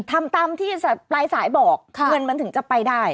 ทำตามที่ปลายสายบอกเงินมันถึงจะไปได้